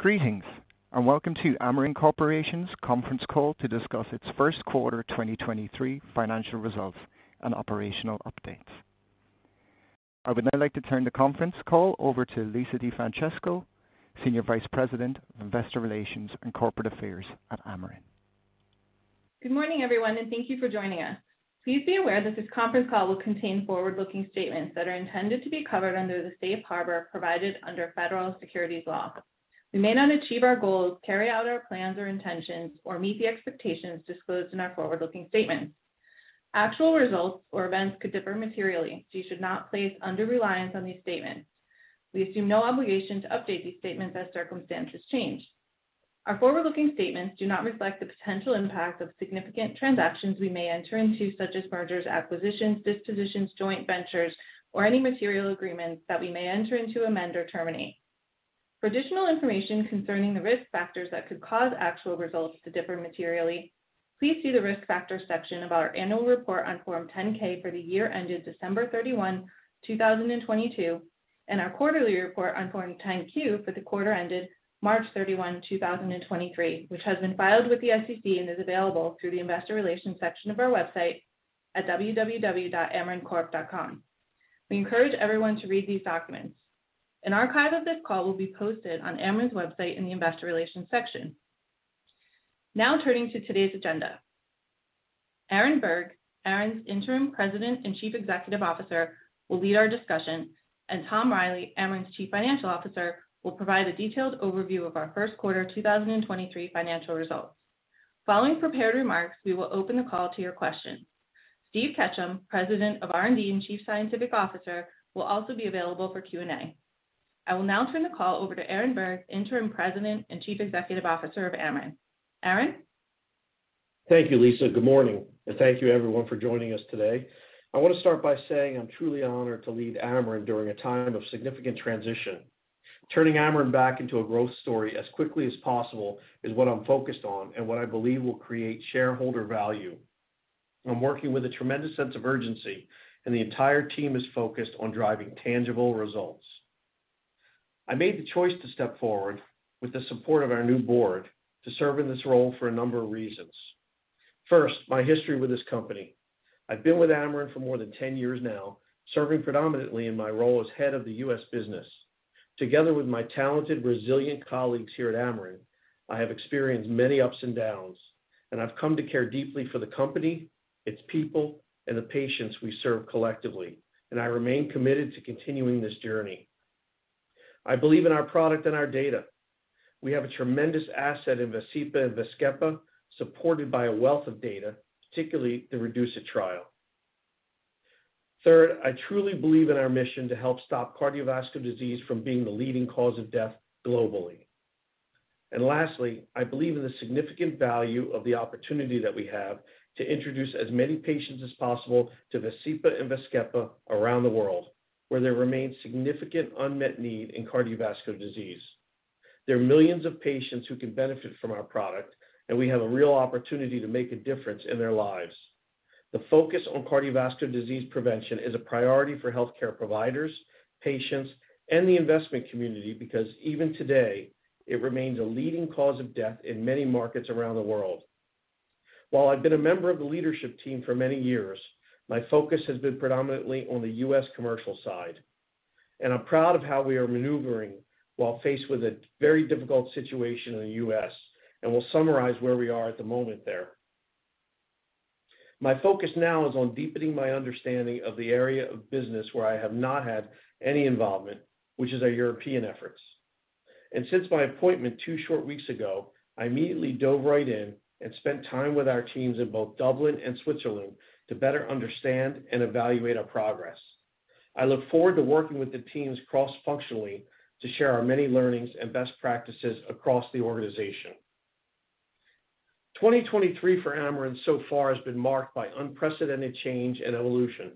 Greetings. Welcome to Amarin Corporation's conference call to discuss its first quarter 2023 financial results and operational updates. I would now like to turn the conference call over to Lisa DeFrancesco, Senior Vice President of Investor Relations and Corporate Affairs at Amarin. Good morning, everyone, and thank you for joining us. Please be aware that this conference call will contain forward-looking statements that are intended to be covered under the safe harbor provided under federal securities law. We may not achieve our goals, carry out our plans or intentions, or meet the expectations disclosed in our forward-looking statements. Actual results or events could differ materially. You should not place under reliance on these statements. We assume no obligation to update these statements as circumstances change. Our forward-looking statements do not reflect the potential impact of significant transactions we may enter into, such as mergers, acquisitions, dispositions, joint ventures, or any material agreements that we may enter into, amend, or terminate. For additional information concerning the risk factors that could cause actual results to differ materially, please see the Risk Factors section of our annual report on Form 10-K for the year ended December 31, 2022, and our quarterly report on Form 10-Q for the quarter ended March 31, 2023, which has been filed with the SEC and is available through the Investor Relations section of our website at www.amarincorp.com. We encourage everyone to read these documents. An archive of this call will be posted on Amarin's website in the Investor Relations section. Turning to today's agenda. Aaron Berg, Amarin's Interim President and Chief Executive Officer, will lead our discussion, and Tom Reilly, Amarin's Chief Financial Officer, will provide a detailed overview of our first quarter 2023 financial results. Following prepared remarks, we will open the call to your questions. Steve Ketchum, President of R&D and Chief Scientific Officer, will also be available for Q&A. I will now turn the call over to Aaron Berg, Interim President and Chief Executive Officer of Amarin. Aaron? Thank you, Lisa. Good morning, and thank you everyone for joining us today. I want to start by saying I'm truly honored to lead Amarin during a time of significant transition. Turning Amarin back into a growth story as quickly as possible is what I'm focused on and what I believe will create shareholder value. I'm working with a tremendous sense of urgency, and the entire team is focused on driving tangible results. I made the choice to step forward with the support of our new board to serve in this role for a number of reasons. First, my history with this company. I've been with Amarin for more than 10 years now, serving predominantly in my role as head of the U.S. business. Together with my talented, resilient colleagues here at Amarin, I have experienced many ups and downs, I've come to care deeply for the company, its people, and the patients we serve collectively, I remain committed to continuing this journey. I believe in our product and our data. We have a tremendous asset in VASCEPA and VAZKEPA supported by a wealth of data, particularly the REDUCE-IT trial. Third, I truly believe in our mission to help stop cardiovascular disease from being the leading cause of death globally. Lastly, I believe in the significant value of the opportunity that we have to introduce as many patients as possible to VASCEPA and VAZKEPA around the world where there remains significant unmet need in cardiovascular disease. There are millions of patients who can benefit from our product, We have a real opportunity to make a difference in their lives. The focus on cardiovascular disease prevention is a priority for healthcare providers, patients, and the investment community because even today it remains a leading cause of death in many markets around the world. While I've been a member of the leadership team for many years, my focus has been predominantly on the U.S. commercial side, I'm proud of how we are maneuvering while faced with a very difficult situation in the U.S., We'll summarize where we are at the moment there. My focus now is on deepening my understanding of the area of business where I have not had any involvement, which is our European efforts. Since my appointment two short weeks ago, I immediately dove right in and spent time with our teams in both Dublin and Switzerland to better understand and evaluate our progress. I look forward to working with the teams cross-functionally to share our many learnings and best practices across the organization. 2023 for Amarin so far has been marked by unprecedented change and evolution.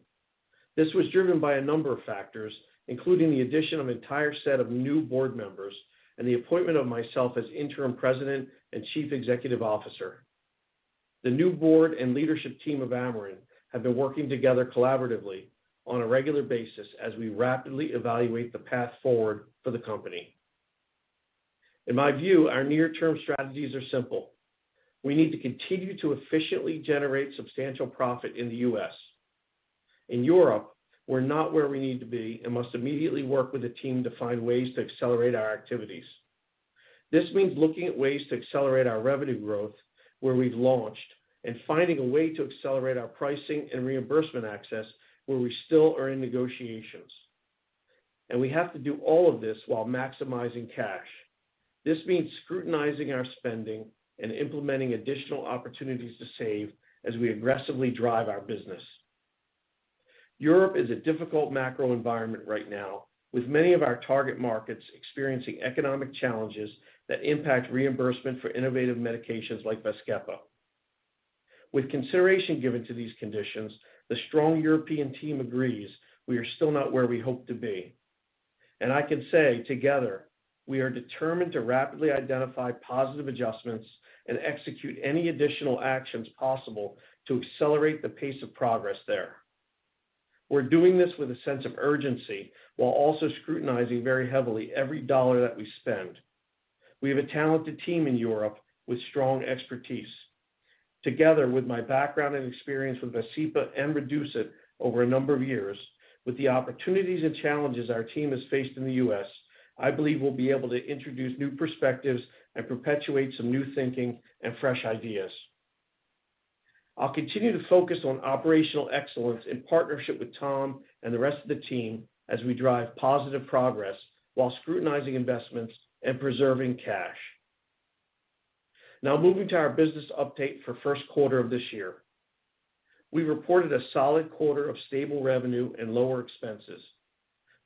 This was driven by a number of factors, including the addition of an entire set of new board members and the appointment of myself as interim President and Chief Executive Officer. The new board and leadership team of Amarin have been working together collaboratively on a regular basis as we rapidly evaluate the path forward for the company. In my view, our near-term strategies are simple. We need to continue to efficiently generate substantial profit in the U.S. In Europe, we're not where we need to be and must immediately work with the team to find ways to accelerate our activities. This means looking at ways to accelerate our revenue growth where we've launched and finding a way to accelerate our pricing and reimbursement access where we still are in negotiations. We have to do all of this while maximizing cash. This means scrutinizing our spending and implementing additional opportunities to save as we aggressively drive our business. Europe is a difficult macro environment right now, with many of our target markets experiencing economic challenges that impact reimbursement for innovative medications like VAZKEPA. With consideration given to these conditions, the strong European team agrees we are still not where we hope to be. I can say together, we are determined to rapidly identify positive adjustments and execute any additional actions possible to accelerate the pace of progress there. We're doing this with a sense of urgency while also scrutinizing very heavily every dollar that we spend. We have a talented team in Europe with strong expertise. Together with my background and experience with VASCEPA and REDUCE-IT over a number of years, with the opportunities and challenges our team has faced in the U.S., I believe we'll be able to introduce new perspectives and perpetuate some new thinking and fresh ideas. I'll continue to focus on operational excellence in partnership with Tom and the rest of the team as we drive positive progress while scrutinizing investments and preserving cash. Moving to our business update for first quarter of this year. We reported a solid quarter of stable revenue and lower expenses.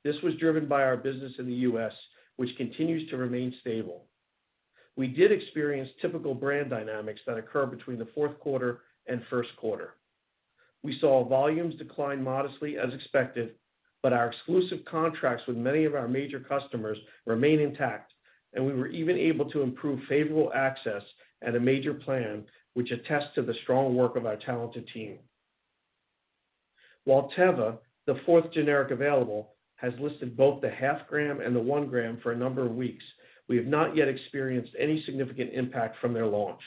This was driven by our business in the U.S., which continues to remain stable. We did experience typical brand dynamics that occur between the fourth quarter and first quarter. We saw volumes decline modestly as expected, but our exclusive contracts with many of our major customers remain intact, and we were even able to improve favorable access at a major plan, which attests to the strong work of our talented team. While Teva, the fourth generic available, has listed both the 0.5 gram and the 1 gram for a number of weeks, we have not yet experienced any significant impact from their launch.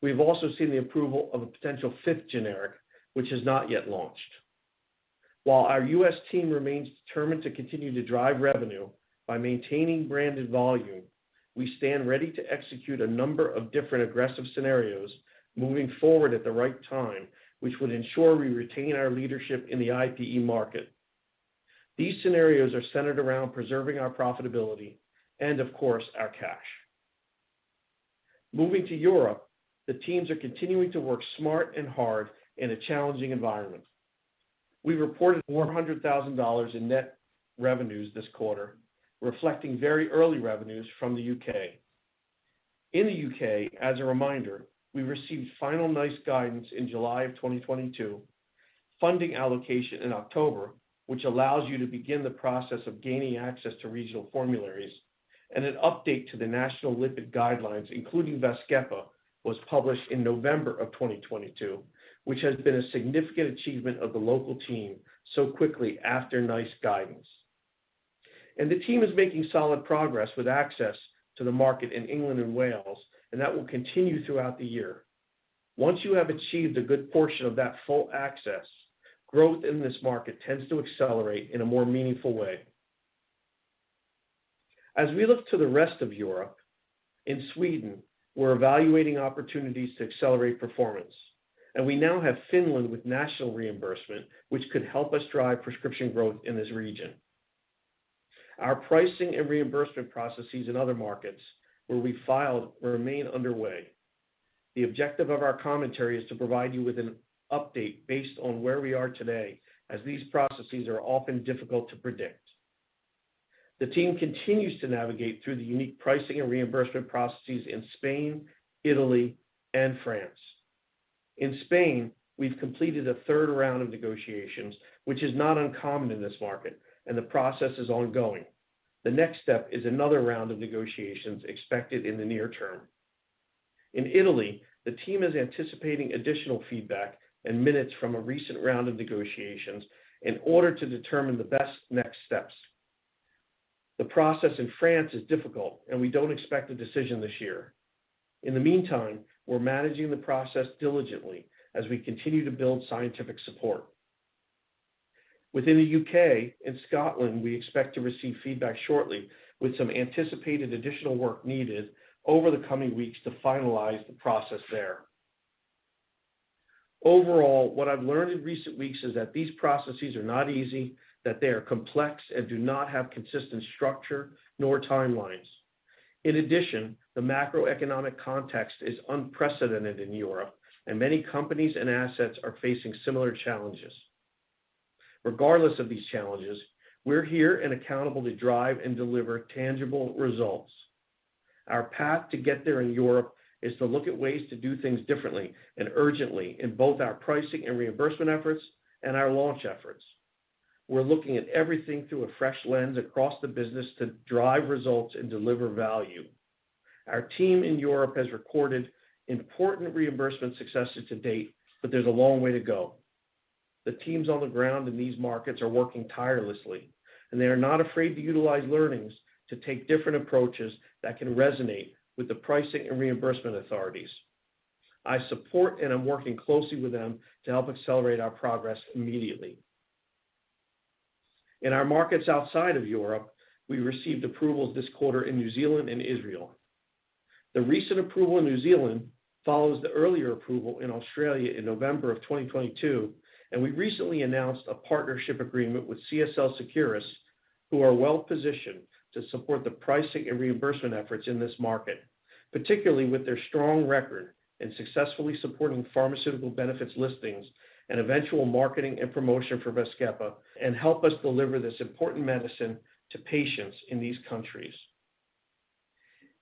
We've also seen the approval of a potential fifth generic, which has not yet launched. While our U.S. team remains determined to continue to drive revenue by maintaining branded volume, we stand ready to execute a number of different aggressive scenarios moving forward at the right time, which would ensure we retain our leadership in the IPE market. These scenarios are centered around preserving our profitability and, of course, our cash. Moving to Europe, the teams are continuing to work smart and hard in a challenging environment. We reported more than $100,000 in net revenues this quarter, reflecting very early revenues from the U.K. In the U.K., as a reminder, we received final NICE guidance in July of 2022, funding allocation in October, which allows you to begin the process of gaining access to regional formularies. An update to the national lipid guidelines, including VAZKEPA, was published in November of 2022, which has been a significant achievement of the local team so quickly after NICE guidance. The team is making solid progress with access to the market in England and Wales, and that will continue throughout the year. Once you have achieved a good portion of that full access, growth in this market tends to accelerate in a more meaningful way. As we look to the rest of Europe, in Sweden, we're evaluating opportunities to accelerate performance, we now have Finland with national reimbursement, which could help us drive prescription growth in this region. Our pricing and reimbursement processes in other markets where we filed remain underway. The objective of our commentary is to provide you with an update based on where we are today as these processes are often difficult to predict. The team continues to navigate through the unique pricing and reimbursement processes in Spain, Italy, and France. In Spain, we've completed a third round of negotiations, which is not uncommon in this market, and the process is ongoing. The next step is another round of negotiations expected in the near term. In Italy, the team is anticipating additional feedback and minutes from a recent round of negotiations in order to determine the best next steps. The process in France is difficult, and we don't expect a decision this year. In the meantime, we're managing the process diligently as we continue to build scientific support. Within the U.K. and Scotland, we expect to receive feedback shortly with some anticipated additional work needed over the coming weeks to finalize the process there. Overall, what I've learned in recent weeks is that these processes are not easy, that they are complex and do not have consistent structure nor timelines. In addition, the macroeconomic context is unprecedented in Europe, and many companies and assets are facing similar challenges. Regardless of these challenges, we're here and accountable to drive and deliver tangible results. Our path to get there in Europe is to look at ways to do things differently and urgently in both our pricing and reimbursement efforts and our launch efforts. We're looking at everything through a fresh lens across the business to drive results and deliver value. Our team in Europe has recorded important reimbursement successes to date, but there's a long way to go. The teams on the ground in these markets are working tirelessly, and they are not afraid to utilize learnings to take different approaches that can resonate with the pricing and reimbursement authorities. I support and am working closely with them to help accelerate our progress immediately. In our markets outside of Europe, we received approvals this quarter in New Zealand and Israel. The recent approval in New Zealand follows the earlier approval in Australia in November of 2022. We recently announced a partnership agreement with CSL Seqirus, who are well-positioned to support the pricing and reimbursement efforts in this market, particularly with their strong record in successfully supporting pharmaceutical benefits listings and eventual marketing and promotion for VAZKEPA and help us deliver this important medicine to patients in these countries.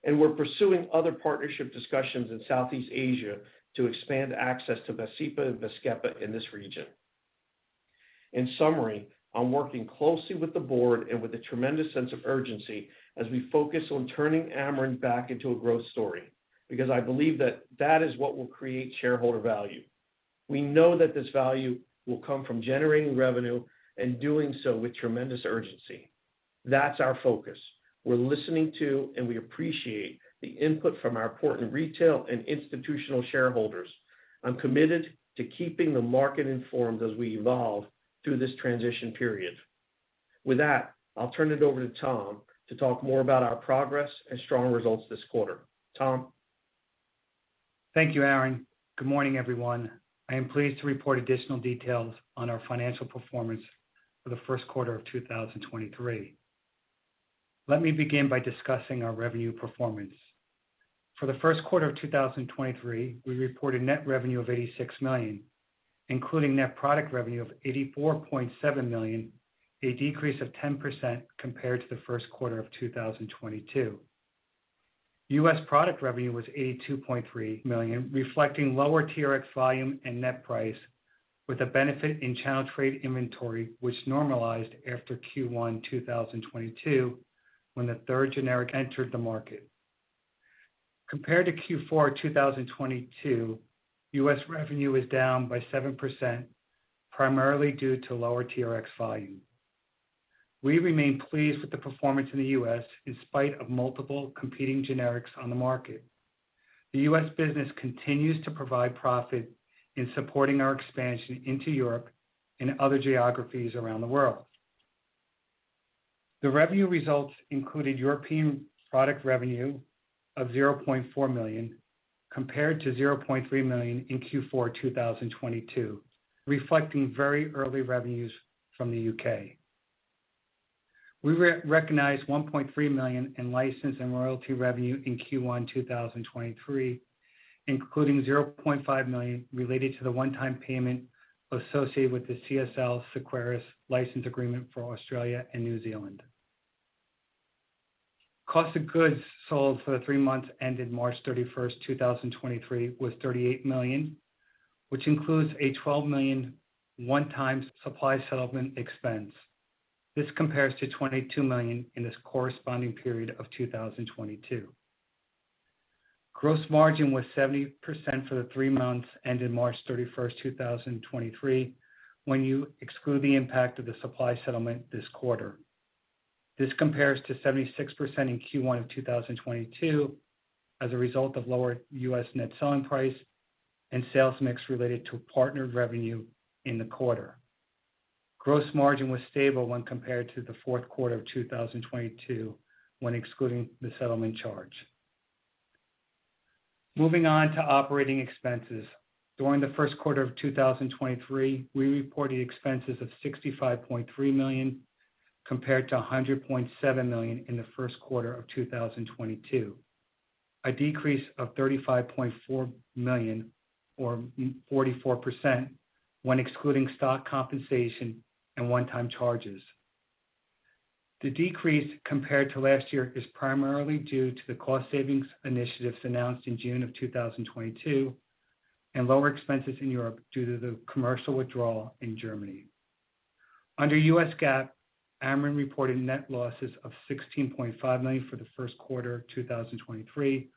We're pursuing other partnership discussions in Southeast Asia to expand access to VASCEPA and VAZKEPA in this region. In summary, I'm working closely with the board and with a tremendous sense of urgency as we focus on turning Amarin back into a growth story. Because I believe that that is what will create shareholder value. We know that this value will come from generating revenue and doing so with tremendous urgency. That's our focus. We're listening to and we appreciate the input from our important retail and institutional shareholders. I'm committed to keeping the market informed as we evolve through this transition period. With that, I'll turn it over to Tom to talk more about our progress and strong results this quarter. Tom? Thank you, Aaron. Good morning, everyone. I am pleased to report additional details on our financial performance for the first quarter of 2023. Let me begin by discussing our revenue performance. For the first quarter of 2023, we reported net revenue of $86 million, including net product revenue of $84.7 million, a decrease of 10% compared to the first quarter of 2022. U.S. product revenue was $82.3 million, reflecting lower TRX volume and net price, with a benefit in channel trade inventory, which normalized after Q1 2022, when the third generic entered the market. Compared to Q4 2022, U.S. revenue is down by 7%, primarily due to lower TRX volume. We remain pleased with the performance in the U.S. in spite of multiple competing generics on the market. The U.S. business continues to provide profit in supporting our expansion into Europe and other geographies around the world. The revenue results included European product revenue of $0.4 million compared to $0.3 million in Q4 2022, reflecting very early revenues from the U.K. We re-recognized $1.3 million in license and royalty revenue in Q1 2023, including $0.5 million related to the one-time payment associated with the CSL Seqirus license agreement for Australia and New Zealand. Cost of goods sold for the three months ended March 31, 2023 was $38 million, which includes a $12 million one-time supply settlement expense. This compares to $22 million in this corresponding period of 2022. Gross margin was 70% for the three months ended March 31st, 2023, when you exclude the impact of the supply settlement this quarter. This compares to 76% in Q1 of 2022 as a result of lower U.S. net selling price and sales mix related to partnered revenue in the quarter. Gross margin was stable when compared to the fourth quarter of 2022, when excluding the settlement charge. Moving on to operating expenses. During the first quarter of 2023, we reported expenses of $65.3 million compared to $100.7 million in the first quarter of 2022. A decrease of $35.4 million or 44% when excluding stock compensation and one-time charges. The decrease compared to last year is primarily due to the cost savings initiatives announced in June 2022 and lower expenses in Europe due to the commercial withdrawal in Germany. Under U.S. GAAP, Amarin reported net losses of $16.5 million for the first quarter of 2023,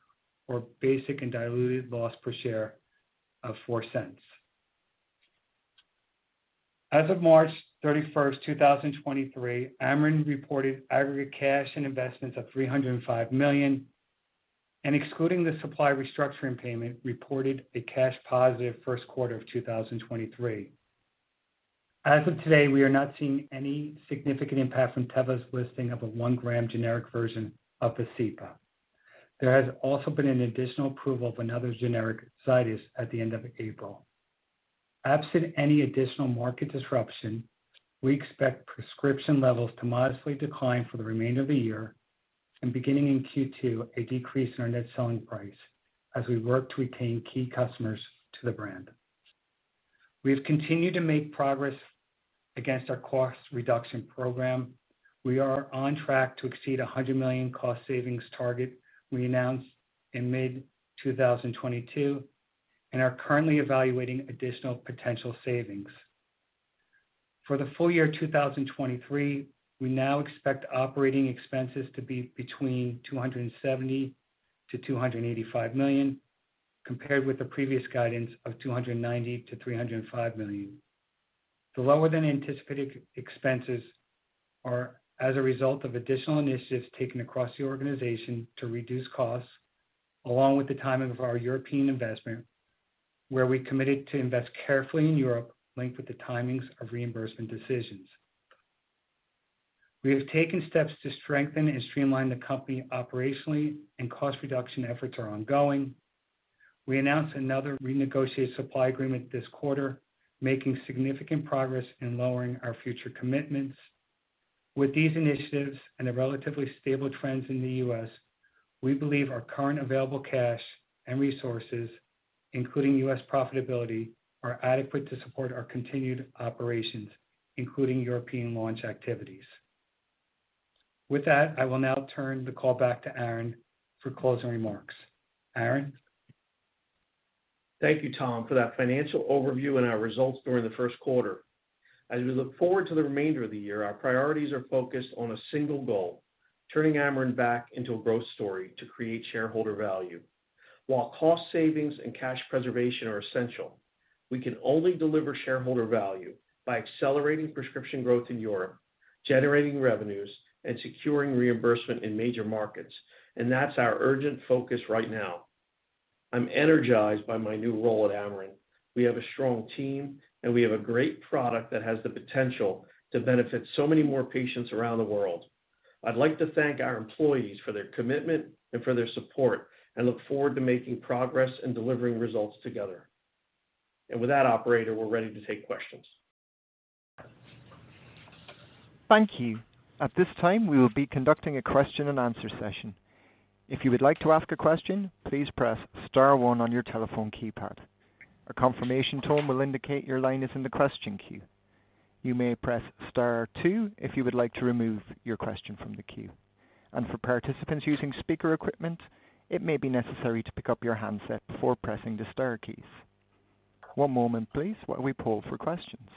or basic and diluted loss per share of $0.04. As of March 31, 2023, Amarin reported aggregate cash and investments of $305 million, excluding the supply restructuring payment, reported a cash positive first quarter of 2023. As of today, we are not seeing any significant impact from Teva's listing of a one gram generic version of VASCEPA. There has also been an additional approval of another generic Zydus at the end of April. Absent any additional market disruption, we expect prescription levels to modestly decline for the remainder of the year and beginning in Q2, a decrease in our net selling price as we work to retain key customers to the brand. We have continued to make progress against our cost reduction program. We are on track to exceed a $100 million cost savings target we announced in mid-2022 and are currently evaluating additional potential savings. For the full year 2023, we now expect operating expenses to be between $270 million-$285 million, compared with the previous guidance of $290 million-$305 million. The lower than anticipated expenses are as a result of additional initiatives taken across the organization to reduce costs, along with the timing of our European investment, where we committed to invest carefully in Europe, linked with the timings of reimbursement decisions. We have taken steps to strengthen and streamline the company operationally and cost reduction efforts are ongoing. We announced another renegotiated supply agreement this quarter, making significant progress in lowering our future commitments. With these initiatives and the relatively stable trends in the U.S., we believe our current available cash and resources, including U.S. profitability, are adequate to support our continued operations, including European launch activities. With that, I will now turn the call back to Aaron for closing remarks. Aaron? Thank you, Tom, for that financial overview and our results during the first quarter. As we look forward to the remainder of the year, our priorities are focused on a single goal: turning Amarin back into a growth story to create shareholder value. While cost savings and cash preservation are essential, we can only deliver shareholder value by accelerating prescription growth in Europe, generating revenues, and securing reimbursement in major markets. That's our urgent focus right now. I'm energized by my new role at Amarin. We have a strong team, and we have a great product that has the potential to benefit so many more patients around the world. I'd like to thank our employees for their commitment and for their support, and look forward to making progress and delivering results together. With that operator, we're ready to take questions. Thank you. At this time, we will be conducting a question-and-answer session. If you would like to ask a question, please press star on on your telephone keypad. A confirmation tone will indicate your line is in the question queue. You may press star two if you would like to remove your question from the queue. For participants using speaker equipment, it may be necessary to pick up your handset before pressing the star keys. One moment, please, while we poll for questions.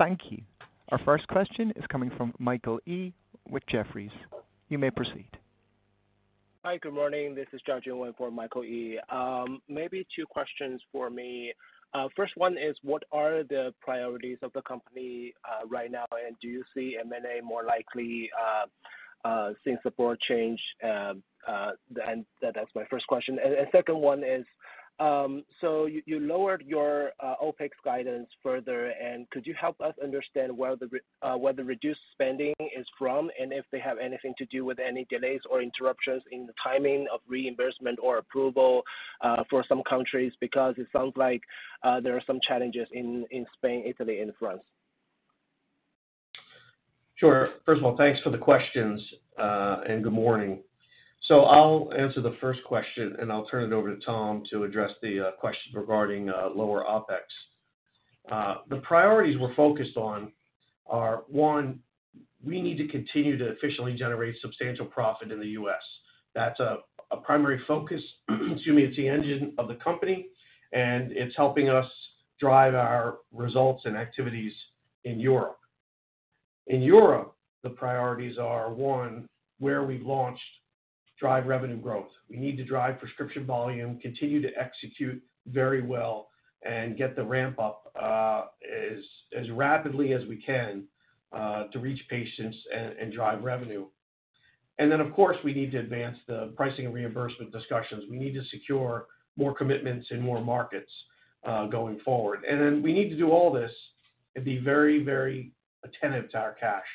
Thank you. Our first question is coming from Michael E with Jefferies. You may proceed. Hi. Good morning. This is Zhao Jun for Michael E. Maybe two questions for me. First one is, what are the priorities of the company right now, and do you see M&A more likely since the board change? That's my first question. Second one is, you lowered your OpEx guidance further, and could you help us understand where the reduced spending is from, and if they have anything to do with any delays or interruptions in the timing of reimbursement or approval for some countries? It sounds like there are some challenges in Spain, Italy and France. Sure. First of all, thanks for the questions, and good morning. I'll answer the first question, and I'll turn it over to Tom to address the question regarding lower OpEx. The priorities we're focused on are, one, we need to continue to efficiently generate substantial profit in the U.S. That's a primary focus. To me, it's the engine of the company, and it's helping us drive our results and activities in Europe. In Europe, the priorities are, one, where we've launched drive revenue growth. We need to drive prescription volume, continue to execute very well and get the ramp up as rapidly as we can to reach patients and drive revenue. Of course, we need to advance the pricing and reimbursement discussions. We need to secure more commitments in more markets going forward. We need to do all this and be very, very attentive to our cash.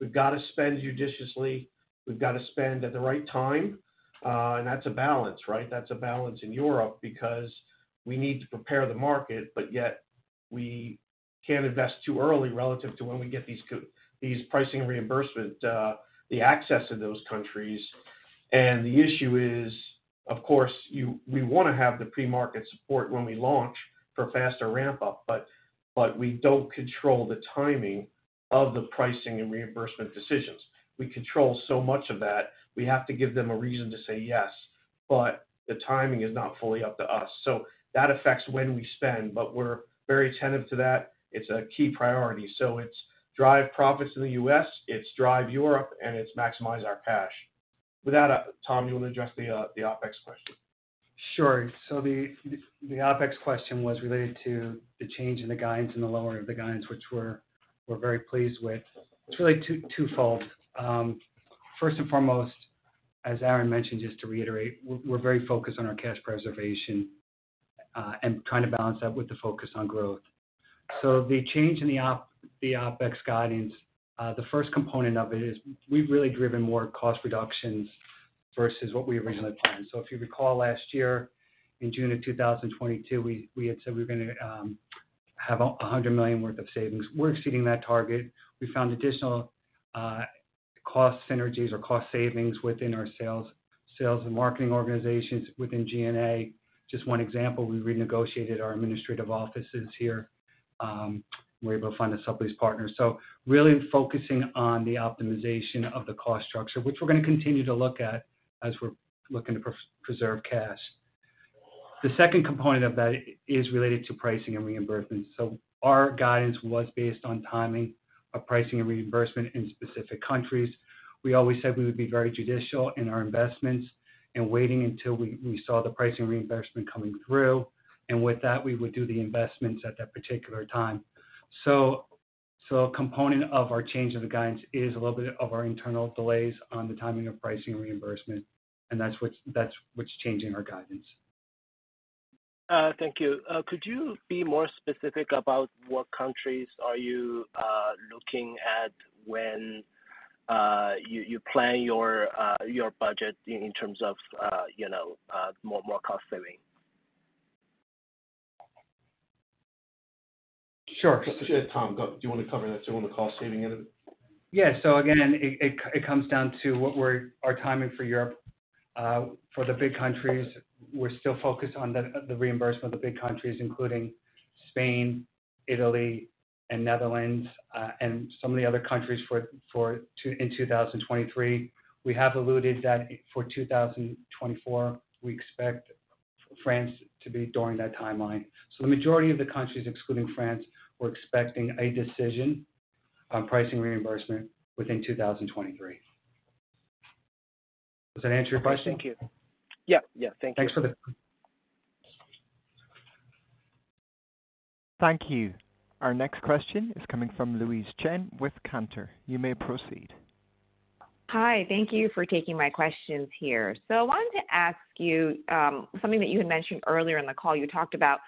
We've got to spend judiciously. We've got to spend at the right time. That's a balance, right? That's a balance in Europe because we need to prepare the market, but yet we can't invest too early relative to when we get these pricing reimbursement, the access to those countries. The issue is, of course, we wanna have the pre-market support when we launch for faster ramp up, but we don't control the timing of the pricing and reimbursement decisions. We control so much of that. We have to give them a reason to say yes, but the timing is not fully up to us. That affects when we spend, but we're very attentive to that. It's a key priority. It's drive profits in the U.S., it's drive Europe, and it's maximize our cash. With that, Tom, you wanna address the OpEx question? Sure. The OpEx question was related to the change in the guidance and the lowering of the guidance, which we're very pleased with. It's really twofold. First and foremost, as Aaron mentioned, just to reiterate, we're very focused on our cash preservation, and trying to balance that with the focus on growth. The change in the OpEx guidance, the first component of it is we've really driven more cost reductions versus what we originally planned. If you recall last year in June of 2022, we had said we were gonna have $100 million worth of savings. We're exceeding that target. We found additional cost synergies or cost savings within our sales and marketing organizations within G&A. Just one example, we renegotiated our administrative offices here, and we're able to find a sublease partner. Really focusing on the optimization of the cost structure, which we're gonna continue to look at as we're looking to preserve cash. The second component of that is related to pricing and reimbursement. Our guidance was based on timing of pricing and reimbursement in specific countries. We always said we would be very judicial in our investments and waiting until we saw the pricing reimbursement coming through. With that, we would do the investments at that particular time. A component of our change of the guidance is a little bit of our internal delays on the timing of pricing reimbursement, and that's what's changing our guidance. Thank you. Could you be more specific about what countries are you looking at when you plan your budget in terms of, you know, more cost saving? Sure. Tom, go. Do you wanna cover that? Do you want the cost-saving end of it? Again, it comes down to our timing for Europe for the big countries. We're still focused on the reimbursement of the big countries, including Spain, Italy... And Netherlands, and some of the other countries in 2023. We have alluded that for 2024, we expect France to be during that timeline. The majority of the countries, excluding France, we're expecting a decision on pricing reimbursement within 2023. Does that answer your question? Okay, thank you. Yeah. Yeah, thank you. Thanks for... Thank you. Our next question is coming from Louise Chen with Cantor. You may proceed. Hi. Thank you for taking my questions here. I wanted to ask you something that you had mentioned earlier in the call. You talked about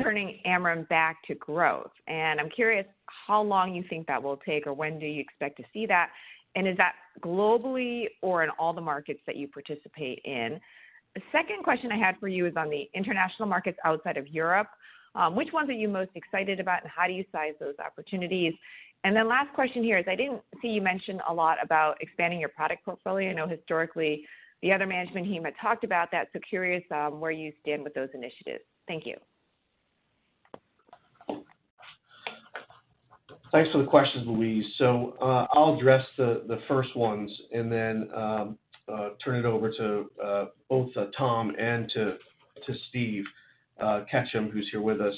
turning Amarin back to growth, and I'm curious how long you think that will take or when do you expect to see that, and is that globally or in all the markets that you participate in? The second question I had for you is on the international markets outside of Europe, which ones are you most excited about, and how do you size those opportunities? Last question here is, I didn't see you mention a lot about expanding your product portfolio. I know historically, the other management team had talked about that, so curious where you stand with those initiatives. Thank you. Thanks for the questions, Louise. I'll address the first ones and then turn it over to both Tom and to Steve Ketchum, who's here with us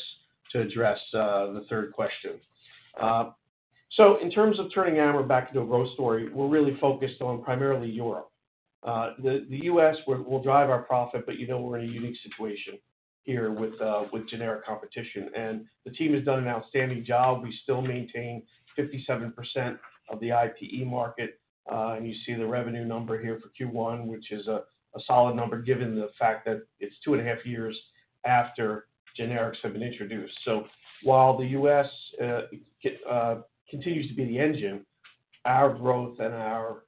to address the third question. In terms of turning Amarin back to the growth story, we're really focused on primarily Europe. The U.S. will drive our profit, but you know we're in a unique situation here with generic competition. The team has done an outstanding job. We still maintain 57% of the IPE market. You see the revenue number here for Q1, which is a solid number given the fact that it's 2.5 years after generics have been introduced. While the U.S. continues to be the engine, our growth and our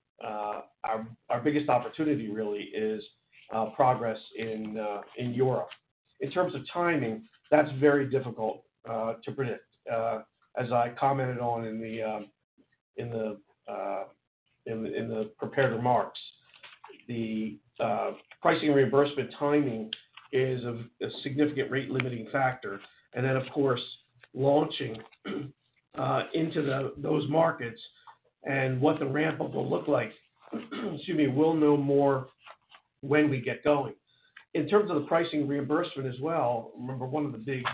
biggest opportunity really is progress in Europe. In terms of timing, that's very difficult to predict. As I commented on in the prepared remarks. The pricing reimbursement timing is a significant rate-limiting factor. Of course, launching into those markets and what the ramp-up will look like, we'll know more when we get going. In terms of the pricing reimbursement as well, remember, one of the big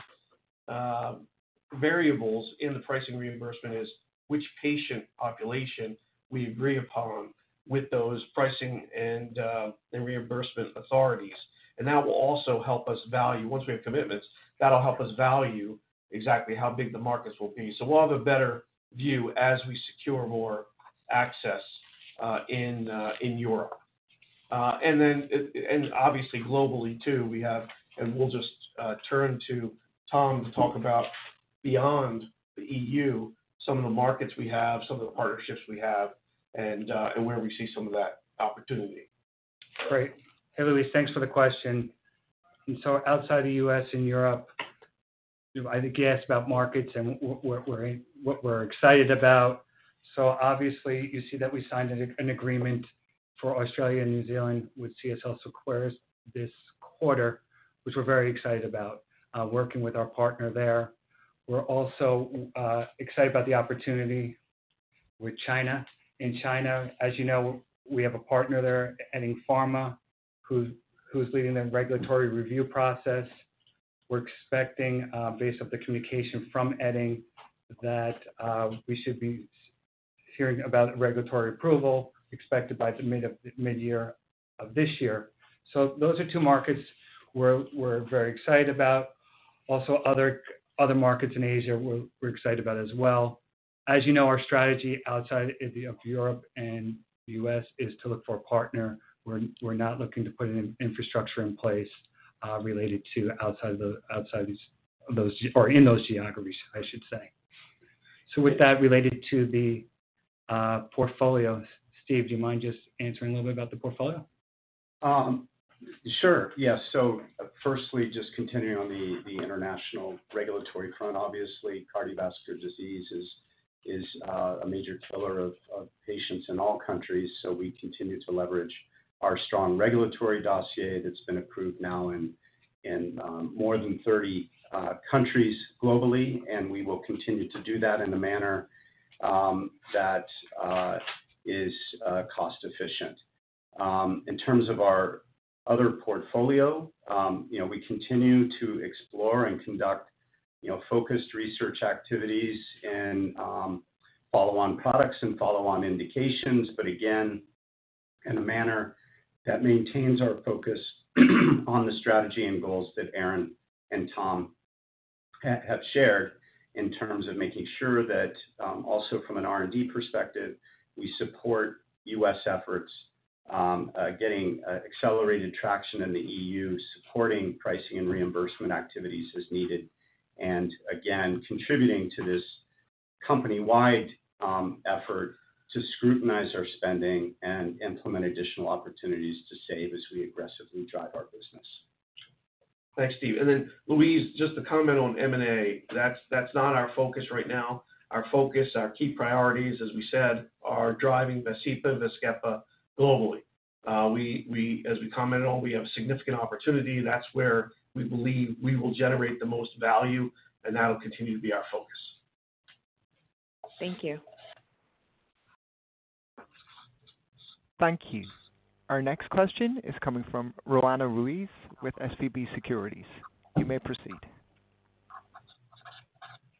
variables in the pricing reimbursement is which patient population we agree upon with those pricing and reimbursement authorities. That will also help us value. Once we have commitments, that'll help us value exactly how big the markets will be. We'll have a better view as we secure more access in Europe. Obviously globally too, we have. We'll just turn to Tom to talk about beyond the EU, some of the markets we have, some of the partnerships we have, and where we see some of that opportunity. Great. Hey, Louise, thanks for the question. Outside the U.S. and Europe, you've either guessed about markets and what we're excited about. Obviously, you see that we signed an agreement for Australia and New Zealand with CSL Seqirus this quarter, which we're very excited about, working with our partner there. We're also excited about the opportunity with China. In China, as you know, we have a partner there, EddingPharm, who's leading the regulatory review process. We're expecting, based on the communication from EddingPharm, that we should be hearing about regulatory approval expected by the midyear of this year. Those are two markets we're very excited about. Also other markets in Asia we're excited about as well. As you know, our strategy outside of Europe and U.S. is to look for a partner. We're not looking to put an infrastructure in place, related to outside these, those, or in those geographies, I should say. With that related to the portfolio, Steve, do you mind just answering a little bit about the portfolio? Sure. Yeah. Firstly, just continuing on the international regulatory front, obviously cardiovascular disease is a major killer of patients in all countries. We continue to leverage our strong regulatory dossier that's been approved now in more than 30 countries globally, and we will continue to do that in a manner that is cost-efficient. In terms of our other portfolio, you know, we continue to explore and conduct, you know, focused research activities and follow-on products and follow-on indications, but again, in a manner that maintains our focus on the strategy and goals that Aaron and Tom have shared in terms of making sure that, also from an R&D perspective, we support U.S. efforts, getting accelerated traction in the EU, supporting pricing and reimbursement activities as needed. Again, contributing to this company-wide effort to scrutinize our spending and implement additional opportunities to save as we aggressively drive our business. Thanks, Steve. Louise, just to comment on M&A, that's not our focus right now. Our focus, our key priorities, as we said, are driving VASCEPA and VAZKEPA globally. We, as we commented on, we have significant opportunity. That's where we believe we will generate the most value, and that'll continue to be our focus. Thank you. Thank you. Our next question is coming from Roanna Ruiz with SVB Securities. You may proceed.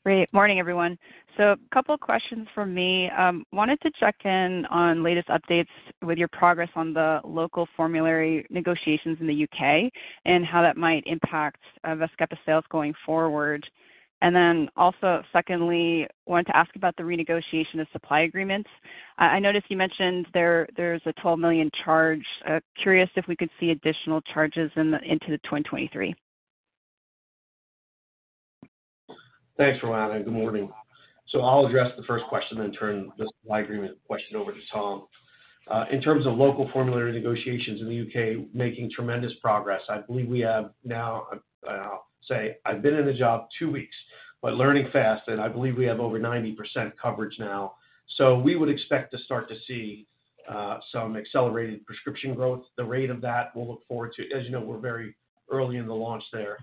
Great. Morning, everyone. A couple questions from me. Wanted to check in on latest updates with your progress on the local formulary negotiations in the U.K. and how that might impact VAZKEPA sales going forward. Secondly, wanted to ask about the renegotiation of supply agreements. I noticed you mentioned there's a $12 million charge. Curious if we could see additional charges into 2023. Thanks, Roanna. Good morning. I'll address the first question, then turn the supply agreement question over to Tom. In terms of local formulary negotiations in the U.K., making tremendous progress. I believe we have now, say I've been in the job two weeks, but learning fast, and I believe we have over 90% coverage now. We would expect to start to see some accelerated prescription growth. The rate of that we'll look forward to. As you know, we're very early in the launch there,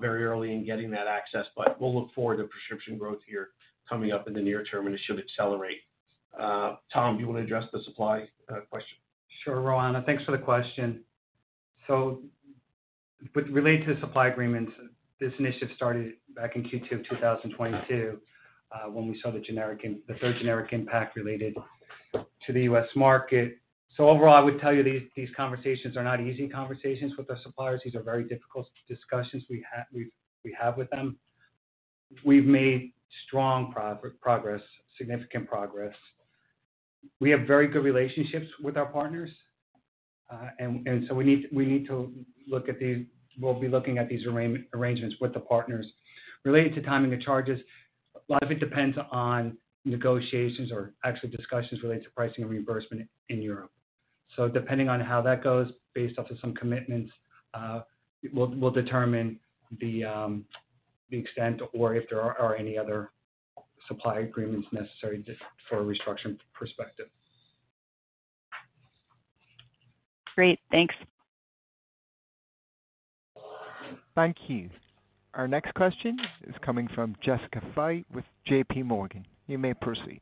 very early in getting that access, but we'll look forward to prescription growth here coming up in the near term, and it should accelerate. Tom, do you wanna address the supply question? Sure. Roanna, thanks for the question. Related to the supply agreements, this initiative started back in Q2 of 2022 when we saw the third generic impact related to the U.S. market. Overall, I would tell you, these conversations are not easy conversations with our suppliers. These are very difficult discussions we have with them. We've made strong progress, significant progress. We have very good relationships with our partners, and so we need to look at these. We'll be looking at these arrangements with the partners. Related to timing of charges, a lot of it depends on negotiations or actually discussions related to pricing and reimbursement in Europe. Depending on how that goes, based off of some commitments, we'll determine the extent or if there are any other supply agreements necessary just for a restructure perspective. Great. Thanks. Thank you. Our next question is coming from Jessica Fye with JP Morgan. You may proceed.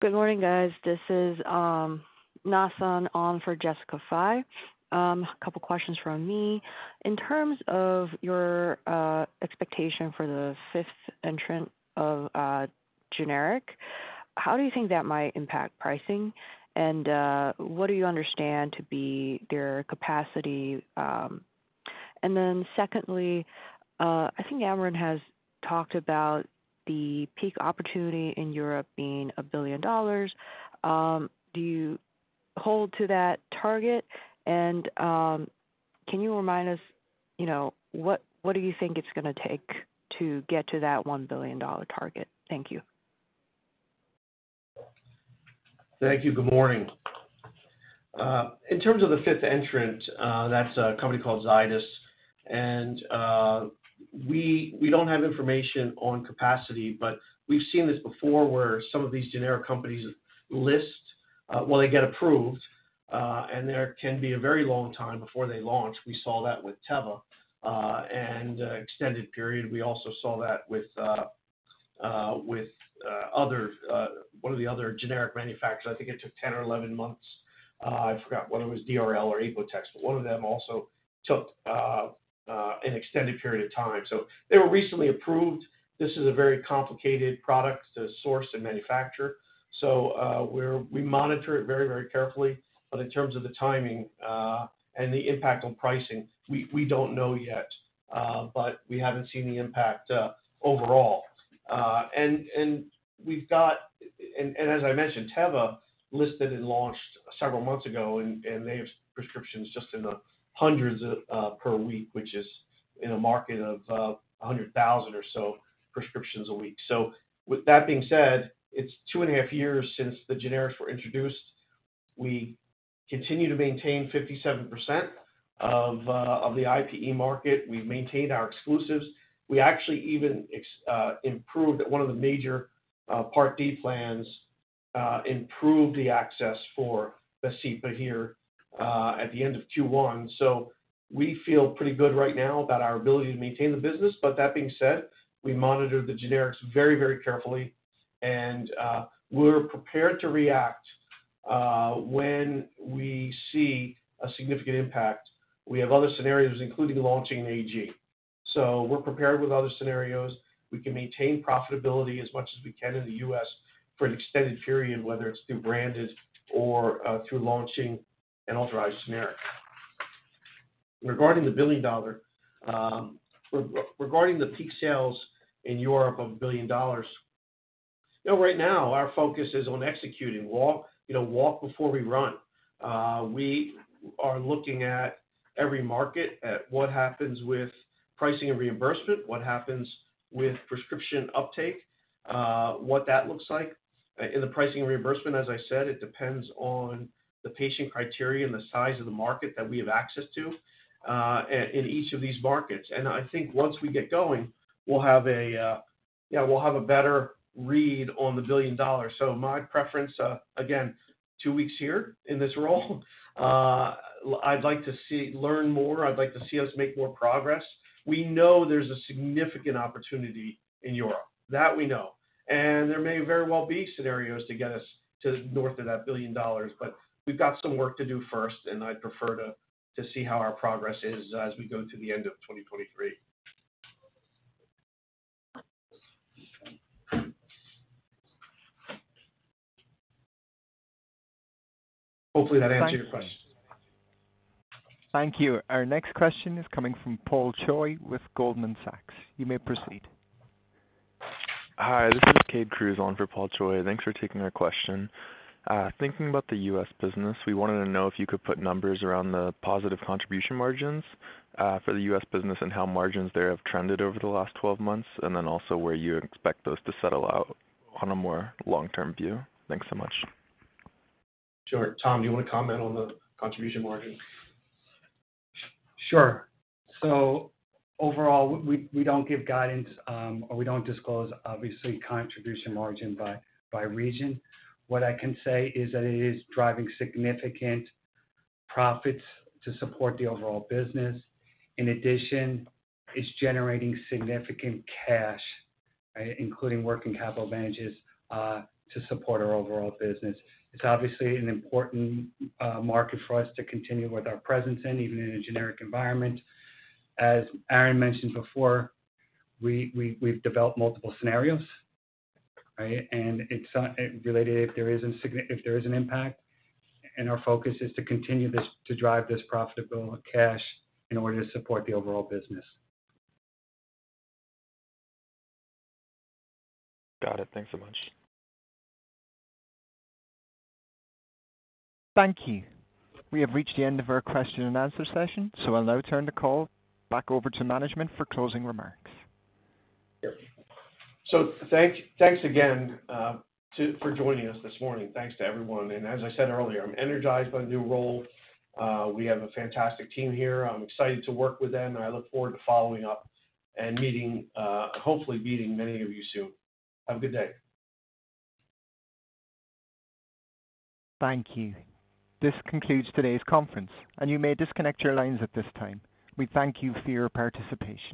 Good morning, guys. This is Nasan on for Jessica Fye. A couple questions from me. In terms of your expectation for the fifth entrant of generic, how do you think that might impact pricing? What do you understand to be their capacity? Secondly, I think Amarin has talked about the peak opportunity in Europe being $1 billion. Do you hold to that target? Can you remind us, you know, what do you think it's gonna take to get to that $1 billion target? Thank you. Thank you. Good morning. In terms of the fifth entrant, that's a company called Zydus. We don't have information on capacity, but we've seen this before where some of these generic companies list, well, they get approved, and there can be a very long time before they launch. We saw that with Teva, and extended period. We also saw that with other, one of the other generic manufacturers. I think it took 10 or 11 months. I forgot whether it was DRL or Equitex, but one of them also took an extended period of time. They were recently approved. This is a very complicated product to source and manufacture. We monitor it very, very carefully. In terms of the timing, and the impact on pricing, we don't know yet, but we haven't seen the impact overall. As I mentioned, Teva listed and launched several months ago, and they have prescriptions just in the hundreds per week, which is in a market of 100,000 or so prescriptions a week. With that being said, it's two and a half years since the generics were introduced. We continue to maintain 57% of the IPE market. We've maintained our exclusives. We actually even improved one of the major Part D plans, improved the access for VASCEPA here at the end of Q1. We feel pretty good right now about our ability to maintain the business, but that being said, we monitor the generics very, very carefully, and we're prepared to react when we see a significant impact. We have other scenarios, including launching an AG. We're prepared with other scenarios. We can maintain profitability as much as we can in the U.S. for an extended period, whether it's through branded or through launching an authorized generic. Regarding the $1 billion, regarding the peak sales in Europe of $1 billion, you know, right now our focus is on executing. Walk, you know, walk before we run. We are looking at every market at what happens with pricing and reimbursement, what happens with prescription uptake, what that looks like. In the pricing and reimbursement, as I said, it depends on the patient criteria and the size of the market that we have access to in each of these markets. I think once we get going, we'll have a better read on the $1 billion. My preference, again, two weeks here in this role, I'd like to learn more. I'd like to see us make more progress. We know there's a significant opportunity in Europe. That we know. There may very well be scenarios to get us to north of that $1 billion. We've got some work to do first. I'd prefer to see how our progress is as we go to the end of 2023. Hopefully that answers your question. Thank you. Our next question is coming from Paul Choi with Goldman Sachs. You may proceed. Hi, this is Cade Cruz on for Paul Choi. Thanks for taking our question. Thinking about the U.S. business, we wanted to know if you could put numbers around the positive contribution margins for the U.S. business and how margins there have trended over the last 12 months, and then also where you expect those to settle out on a more long-term view. Thanks so much. Sure. Tom, do you want to comment on the contribution margin? Sure. Overall, we don't give guidance, or we don't disclose obviously contribution margin by region. What I can say is that it is driving significant profits to support the overall business. In addition, it's generating significant cash, including working capital advantages, to support our overall business. It's obviously an important market for us to continue with our presence in, even in a generic environment. As Aaron mentioned before, we've developed multiple scenarios, right? It's not related if there is an impact, and our focus is to continue this, to drive this profitable cash in order to support the overall business. Got it. Thanks so much. Thank you. We have reached the end of our question and answer session. I'll now turn the call back over to management for closing remarks. Thanks again for joining us this morning. Thanks to everyone. As I said earlier, I'm energized by the new role. We have a fantastic team here. I'm excited to work with them, and I look forward to following up and meeting, hopefully meeting many of you soon. Have a good day. Thank you. This concludes today's conference, and you may disconnect your lines at this time. We thank you for your participation.